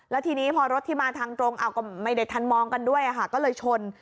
แล้วทีนี้พอรถที่มาทางตรงก็ไม่ได้ทันมองกันด้วยค่ะก็เลยชน